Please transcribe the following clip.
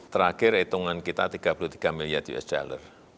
terakhir hitungan kita tiga puluh tiga miliar usd